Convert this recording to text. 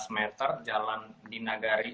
lima belas meter jalan di nagari